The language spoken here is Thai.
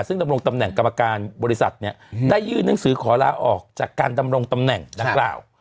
ซึ่งดำรงตำแหน่งกรรมการบริษัทเนี่ยได้ยื่นหนังสือขอลาออกจากการดำรงตำแหน่งดังกล่าว